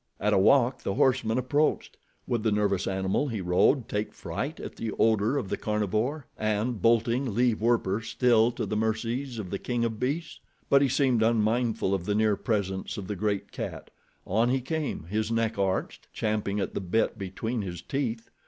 At a walk the horseman approached. Would the nervous animal he rode take fright at the odor of the carnivore, and, bolting, leave Werper still to the mercies of the king of beasts? But he seemed unmindful of the near presence of the great cat. On he came, his neck arched, champing at the bit between his teeth.